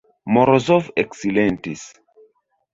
Morozov eksilentis.